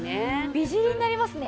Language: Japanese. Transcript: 美尻になりますね。